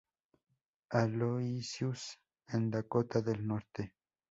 Aloysius en Dakota del Norte.